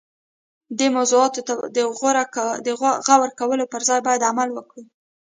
دې موضوعاتو ته د غور کولو پر ځای باید عمل وکړو.